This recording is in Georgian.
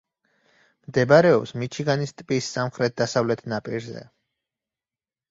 მდებარეობს მიჩიგანის ტბის სამხრეთ-დასავლეთ ნაპირზე.